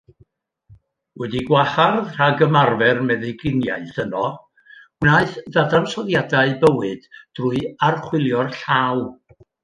Wedi'i gwahardd rhag ymarfer meddyginiaeth yno, gwnaeth ddadansoddiadau bywyd drwy archwilio'r llaw.